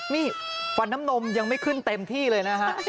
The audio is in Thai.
นี่ฟันน้ำนมยังไม่ขึ้นเต็มที่เลยนะฮะ